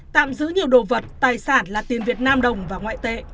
tạm giữ nhiều đồ vật tài sản là tiền việt nam đồng và ngoại tệ